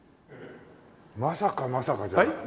まさかまさかじゃない？